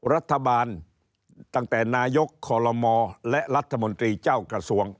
รัฐบาลตั้งแต่นายกคอลโลมและรัฐมนตรีเจ้ากระทรวง